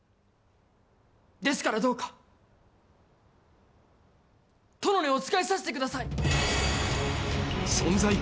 「ですからどうか殿にお仕えさせてください！」